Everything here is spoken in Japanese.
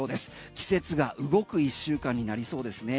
季節が動く１週間になりそうですね。